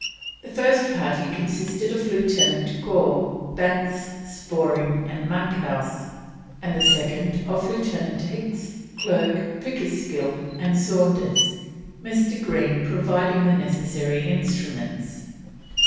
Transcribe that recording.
The first party consisted of Lieutenant Gore, Banks, Sporing, and Monkhouse, and the second of Lieutenant Hicks, Clerke, Pickersgill, and Saunders, Mr. Green providing the necessary instruments.